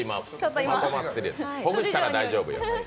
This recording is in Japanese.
ほぐしたら大丈夫よ。